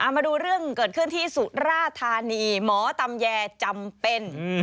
มาดูเรื่องเกิดขึ้นที่สุราธานีหมอตำแยจำเป็น